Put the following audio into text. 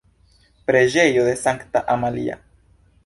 Preĝejo de Sankta Amalia.